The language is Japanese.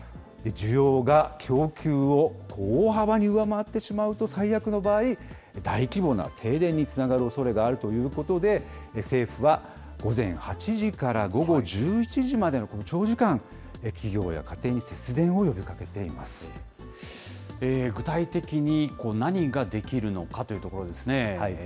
需要が供給を大幅に上回ってしまうと、最悪の場合、大規模な停電につながるおそれがあるということで、政府は午前８時から午後１１時までのこの長時間、企業や家庭に節具体的に何ができるのかというところですね。